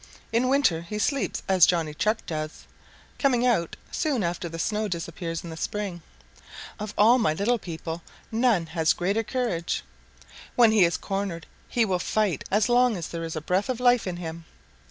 In winter he sleeps as Johnny Chuck does, coming out soon after the snow disappears in the spring. Of all my little people, none has greater courage. When he is cornered he will fight as long as there is a breath of life in him.